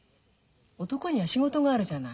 男には仕事があるじゃない。